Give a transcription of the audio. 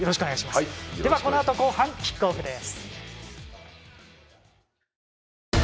このあと後半キックオフです。